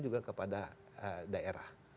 juga kepada daerah